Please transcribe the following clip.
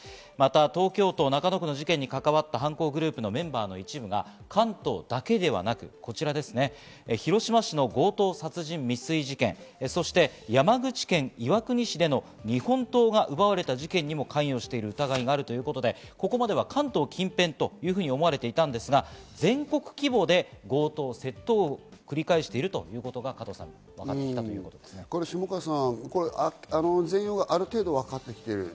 東京都中野区の事件に関わった犯行グループのメンバーの一部が関東だけではなく、広島市の強盗殺人未遂事件、そして山口県岩国市での日本刀が奪われた事件にも関与している疑いがあるということで、ここまでは関東近辺というふうに思われていたんですが、全国規模で強盗、窃盗を繰り返しているということが加藤さん、下川さん、全容がある程度わかってきています。